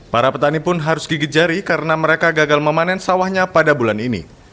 para petani pun harus gigit jari karena mereka gagal memanen sawahnya pada bulan ini